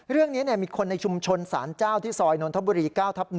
เรื่องนี้มีคนในชุมชนสารเจ้าที่ซอยนนทบุรี๙ทับ๑